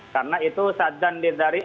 karena itu sadan dari a